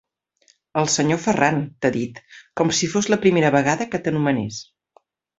El senyor Ferran, t'ha dit, com si fos la primera vegada que t'anomenés.